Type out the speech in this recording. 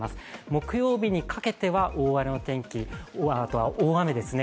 木曜日にかけては大荒れの天気、それから大雨ですね。